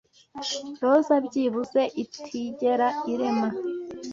roza byibuze itigera irema